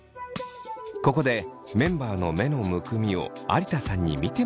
ここでメンバーの目のむくみを有田さんに見てもらうことに。